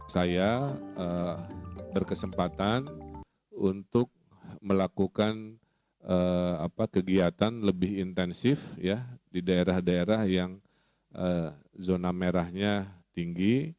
saya berkesempatan untuk melakukan kegiatan lebih intensif di daerah daerah yang zona merahnya tinggi